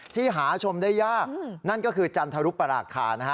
หาชมได้ยากนั่นก็คือจันทรุปราคานะฮะ